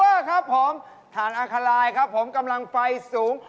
เรียกว่าเที่ยวคำถามใช้กลางกลางไฟสูง